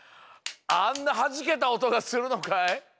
あんなはじけたおとがするのかい？